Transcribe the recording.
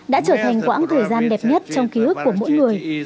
đã trở thành quãng thời gian đẹp nhất trong ký ức của mỗi người